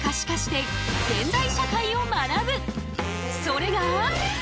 それが。